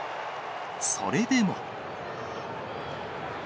それでも。